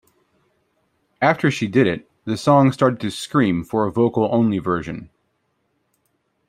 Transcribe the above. After she did it, the song started to scream for a vocal only version.